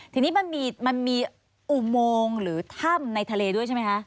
ทีนี้มันมีอุโมงหรือถ้ำในทะเลด้วยใช่ไหมคะ